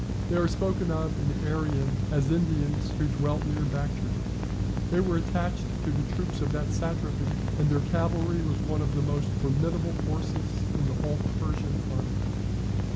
They are spoken of in Arrian as Indians who dwelt near Bactria. They were attached to the troops of that satrapy, and their cavalry was one of the most formidable forces in the whole Persian army.